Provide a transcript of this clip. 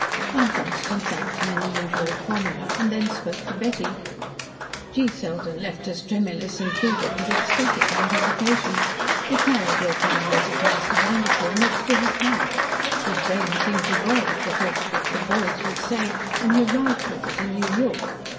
Mount Dunstan thanked him in the usual formula, and then spoke to Betty. "G. Selden left us tremulous and fevered with ecstatic anticipation. He carried your kind letter to Mr. Vanderpoel, next to his heart. His brain seemed to whirl at the thought of what 'the boys' would say, when he arrived with it in New York.